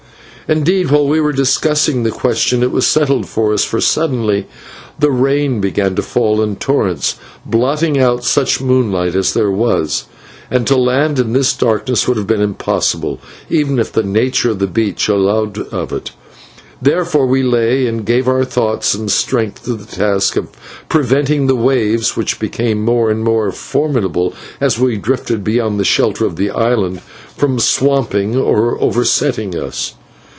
Indeed, while we were discussing the question it was settled for us, for suddenly the rain began to fall in torrents, blotting out such moonlight as there was; and to land in this darkness would have been impossible, even if the nature of the beach allowed of it. Therefore we lay to and gave our thoughts and strength to the task of preventing the waves, which became more and more formidable as we drifted beyond the shelter of the island, from swamping or oversetting us.